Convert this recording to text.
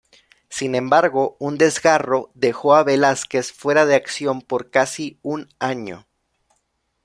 Sin embargo, un desgarro dejo a Velásquez fuera de acción por casi un año.